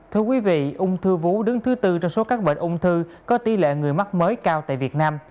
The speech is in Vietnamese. thưa quý vị ung thư vú đứng thứ tư trong số các bệnh ung thư có tỷ lệ người mắc mới cao tại việt nam